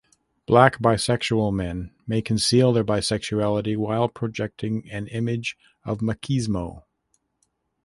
Black bisexual men may conceal their bisexuality while projecting an image of machismo.